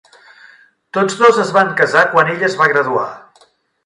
Tots dos es van casar quan ella es va graduar.